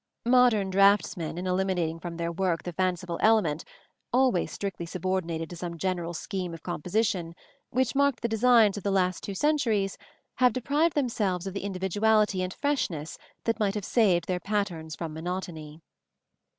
Modern draughtsmen, in eliminating from their work that fanciful element (always strictly subordinated to some general scheme of composition) which marked the designs of the last two centuries, have deprived themselves of the individuality and freshness that might have saved their patterns from monotony.